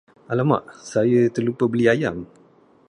Alamak, saya terlupa beli ayam!